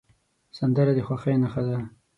سندره د خوښۍ نښه ده